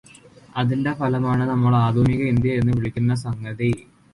അതിന്റെ ഫലമാണു നമ്മള് ആധുനിക ഇന്ത്യ എന്ന് വിളിക്കുന്ന സംഗതി.